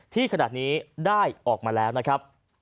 ที่ขณะนี้ได้ออกมาแล้วนะครับ